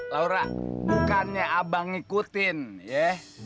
laura bukannya abang ngikutin ya